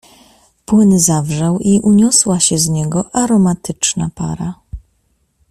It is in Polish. "Płyn zawrzał i uniosła się z niego aromatyczna para."